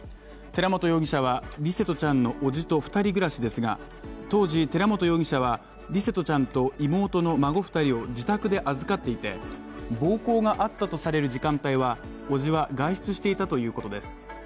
寺本容疑者は、琉聖翔ちゃんの叔父と２人暮らしですが当時、寺本容疑者は琉聖翔ちゃんと妹の孫２人を自宅で預かっていて、暴行があったとされる時間帯は叔父は外出していたということです。